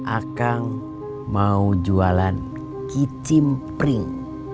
akan mau jualan kicim pring